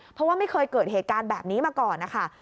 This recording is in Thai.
เพราะว่าไม่เคยเกิดเหตุการณ์แบบนี้มาก่อนนะคะ